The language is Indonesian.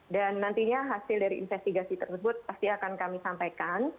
dan nantinya hasil dari investigasi tersebut pasti akan kami sampaikan